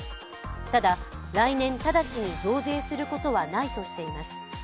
ただ、来年直ちに増税することはないとしています。